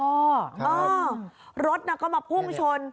เออรถน่ะก็มาพุ่งชน